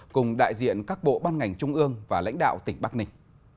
cùng đại diện các bộ ban ngành trung ương và lãnh đạo tỉnh bắc ninh